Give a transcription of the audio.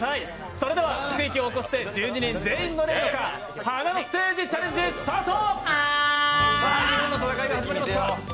それでは奇跡を起こして全員乗れるのか華のステージチャレンジ、スタート！